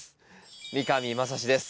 三上真史です。